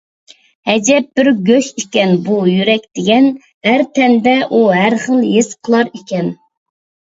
ئەجەب بىر گۆش ئىكەن بۇ يۈرەك دېگەن، ھەر تەندە ئۇ ھەرخىل ھېس قىلار ئىكەن.